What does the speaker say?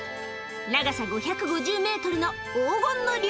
「長さ５５０ｍの黄金の竜」